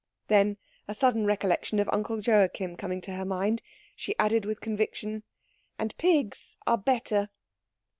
Then, a sudden recollection of Uncle Joachim coming into her mind, she added with conviction, "And pigs are better."